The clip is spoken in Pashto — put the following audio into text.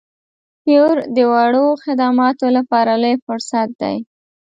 فیور د وړو خدماتو لپاره لوی فرصت دی.